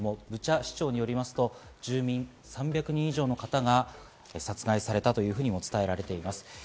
ブチャ市長によりますと住民３００人以上の方が殺害されたと伝えられています。